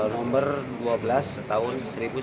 nomor dua belas tahun seribu sembilan ratus sembilan puluh